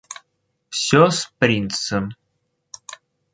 Всё с принцем?